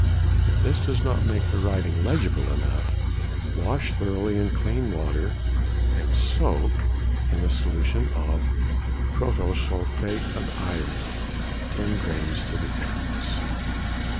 If this does not make the writing legible enough, wash thoroughly in clean water, and soak in a solution of protosulphate of iron, 10 grains to the ounce.